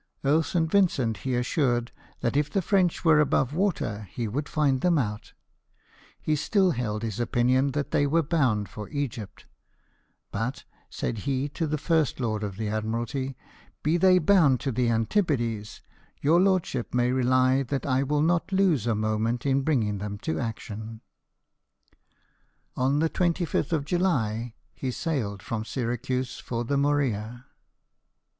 Earl St. Vincent he assured that if the French were above water he would find them out — he still held his opinion that they were bound for Egypt ;" but," said he to the First Lord of the Admiralty, " be they bound to the IN PURSUIT OF TEE FRENCH. 135 Antipodes, your lordship may rely that I will not lose a moment in bringing them to action." On the 25th of July he sailed from Syracuse for the Morea.